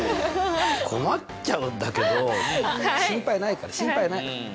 困っちゃうんだけど心配ないから心配ない。